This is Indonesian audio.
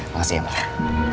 makasih ya pak